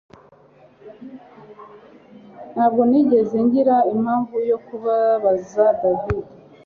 Ntabwo nigeze ngira impamvu yo kubabaza David